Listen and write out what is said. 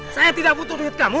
saya tidak butuh duit kamu